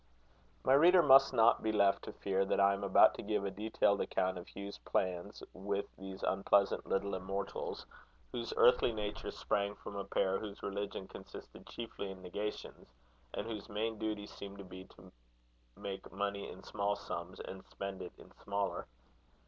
My reader must not be left to fear that I am about to give a detailed account of Hugh's plans with these unpleasant little immortals, whose earthly nature sprang from a pair whose religion consisted chiefly in negations, and whose main duty seemed to be to make money in small sums, and spend it in smaller.